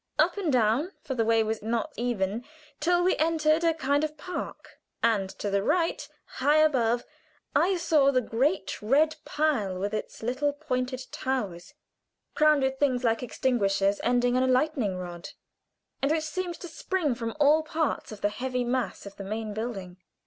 Up and down, for the way was uneven, till we entered a kind of park, and to the right, high above, I saw the great red pile with its little pointed towers crowned with things like extinguishers ending in a lightning rod, and which seemed to spring from all parts of the heavy mass of the main building.